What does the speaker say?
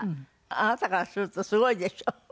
あなたからするとすごいでしょ？